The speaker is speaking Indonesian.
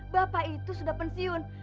bapak itu sudah pensiun